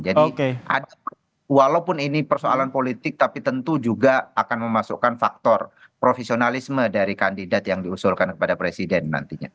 jadi ada walaupun ini persoalan politik tapi tentu juga akan memasukkan faktor profesionalisme dari kandidat yang diusulkan kepada presiden nantinya